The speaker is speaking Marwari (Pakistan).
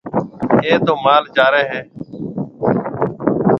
اَي تو مال چاري هيَ۔